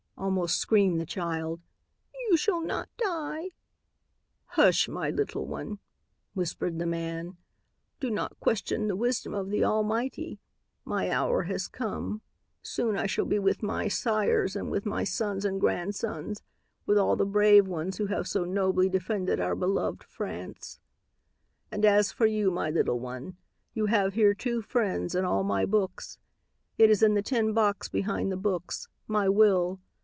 almost screamed the child. "You shall not die." "Hush, my little one," whispered the man. "Do not question the wisdom of the Almighty. My hour has come. Soon I shall be with my sires and with my sons and grandsons; with all the brave ones who have so nobly defended our beloved France. "And as for you, my little one, you have here two friends and all my books. It is in the tin box behind the books, my will.